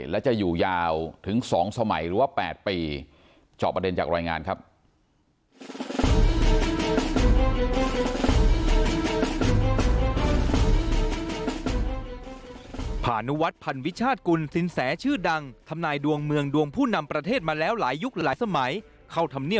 และจะอยู่ยาวถึงสองสมัยหรือว่าแปดปี